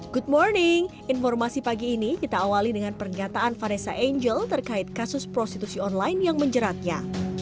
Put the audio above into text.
good morning informasi pagi ini kita awali dengan pernyataan vanessa angel terkait kasus prostitusi online yang menjeratnya